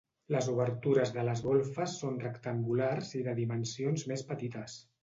Les obertures de les golfes són rectangulars i de dimensions més petites.